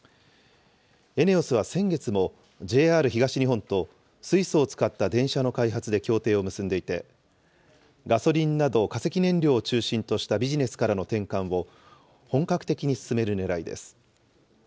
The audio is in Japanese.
ＥＮＥＯＳは先月も、ＪＲ東日本と水素を使った電車の開発で協定を結んでいて、ガソリンなど化石燃料を中心としたビジネスからの転換を本格的に進めるねらいです。